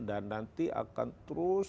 dan nanti akan terus